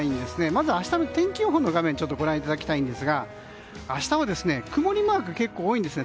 まず明日の天気予報をご覧いただきたいんですが明日は、曇りマークが結構、多いんです。